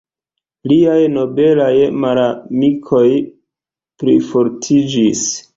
Liaj nobelaj malamikoj plifortiĝis.